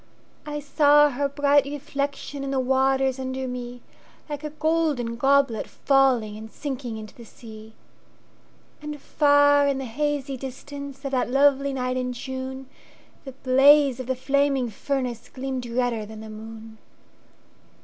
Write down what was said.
I saw her bright reflectionIn the waters under me, Like a golden goblet fallingAnd sinking into the sea. And far in the hazy distanceOf that lovely night in June, The blaze of the flaming furnaceGleamed redder than the moon.